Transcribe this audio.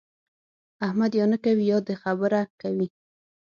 احمد یا نه کوي يا د خبره کوي.